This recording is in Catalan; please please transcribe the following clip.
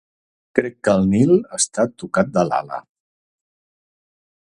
Crec que el Nil està tocat de l'ala.